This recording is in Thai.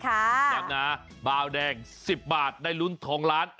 ร้านหนะบาวแดง๑๐บาทได้รุ้น๒ล้าน